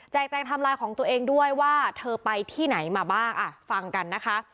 แจงไทม์ไลน์ของตัวเองด้วยว่าเธอไปที่ไหนมาบ้างอ่ะฟังกันนะคะ